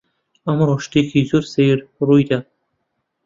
ئەمڕۆ شتێکی زۆر سەیر ڕووی دا.